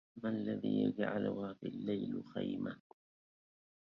ما الذي يجعلها في الليل خيمهْ